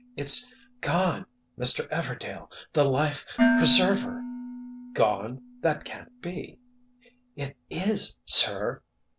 "It's—gone! Mr. Everdail—the life—preserver——" "Gone? That can't be!" "It is, sir!"